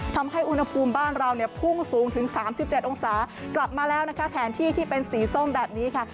ทำให้อุณหภูมิบ้านเราเนี่ยพุ่งสูงถึง๓๗องศากลับมาแล้วนะคะแผนที่ที่เป็นสีส้มแบบนี้ค่ะ